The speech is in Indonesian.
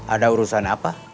ada urusan apa